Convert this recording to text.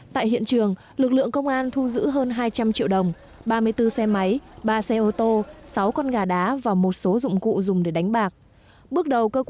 tại hiện trường lực lượng công an thu giữ hơn hai trăm linh triệu đồng ba mươi bốn xe máy ba xe ô tô sáu con gà đá và một số dụng cụ dùng để đánh bạc